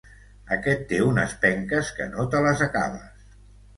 Aquest té unes penques que no te les acabes.